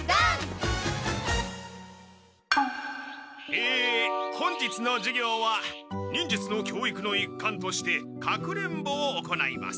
え本日の授業は忍術の教育の一環として隠れんぼを行います。